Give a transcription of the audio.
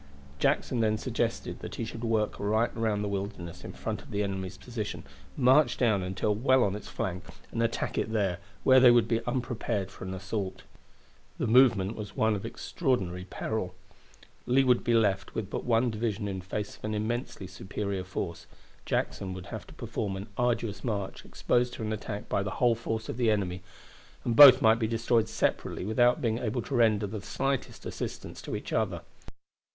Jackson then suggested that he should work right round the Wilderness in front of the enemy's position, march down until well on its flank, and attack it there, where they would be unprepared for an assault. The movement was one of extraordinary peril. Lee would be left with but one division in face of an immensely superior force; Jackson would have to perform an arduous march exposed to an attack by the whole force of the enemy; and both might be destroyed separately without being able to render the slightest assistance to each other.